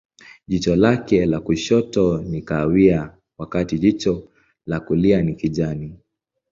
Jicho lake la kushoto ni kahawia, wakati jicho la kulia ni kijani.